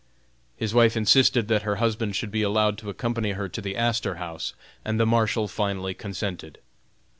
His wife insisted that her husband should be allowed to accompany her to the Astor House, and the Marshal finally consented.